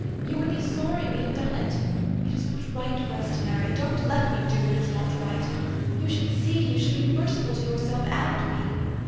You would be sorry we had done it. It is not right for us to marry. Don't let me do what is not right ! You should see you should be merciful to yourself and me."